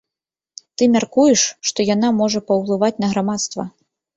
Ты мяркуеш, што яна можа паўплываць на грамадства?